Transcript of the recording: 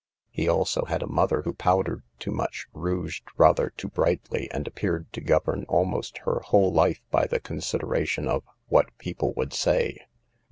He also had a mother who powdered too much, rouged rather too brightly, and appeared to govern almost her whole life by the consideration of " what people would say."